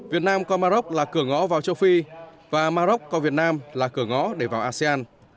việt nam coi maroc là cửa ngõ vào châu phi và maroc coi việt nam là cửa ngõ để vào asean